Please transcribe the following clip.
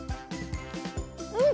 うん！